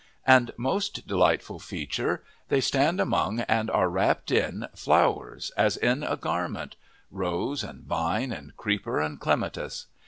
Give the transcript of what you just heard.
And, most delightful feature, they stand among, and are wrapped in, flowers as in a garment rose and vine and creeper and clematis.